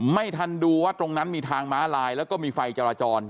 ไม่ทันดูว่าตรงนั้นมีทางม้าลายแล้วก็มีไฟจราจร